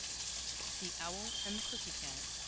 THE OWL AND THE PUSSY CAT.